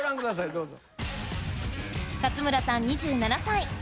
どうぞ。